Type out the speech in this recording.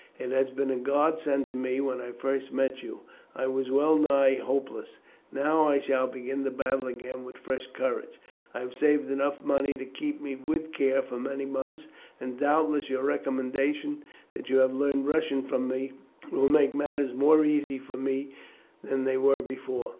"It has been a God send to me. When I first met you, I was well nigh hopeless. Now I shall begin the battle again with fresh courage. I have saved enough money to keep me, with care, for many months, and doubtless your recommendation that you have learned Russian from me, will make matters more easy for me than they were before."